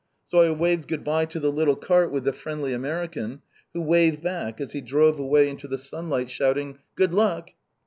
So I waved good bye to the little cart with the friendly American, who waved back, as he drove away into the sunlight, shouting, "Good luck!"